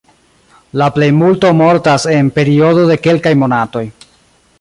La plejmulto mortas en periodo de kelkaj monatoj.